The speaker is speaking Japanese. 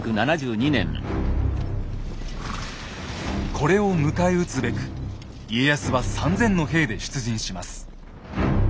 これを迎え撃つべく家康は３，０００の兵で出陣します。